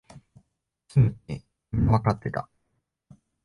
詰むってみんなわかってた